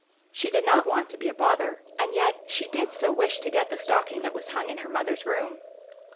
She did not want to be a bother, and yet she did so wish to get the stocking that was hung in her mother's room.